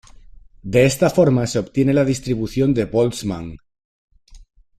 De esta forma se obtiene la distribución de Boltzmann.